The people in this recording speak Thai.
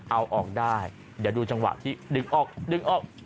เอาออกได้เดี๋ยวดูจังหวะที่ดึงออกดึงออก